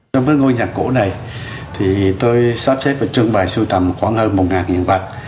trong mấy ngôi nhà cổ này tôi sắp xếp và trưng bày sưu tầm khoảng hơn một hiện vật